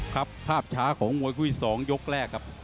ครับภาพช้าของมวยคู่ที่๒ยกแรกครับ